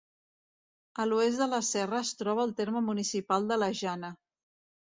A l'oest de la serra es troba el terme municipal de la Jana.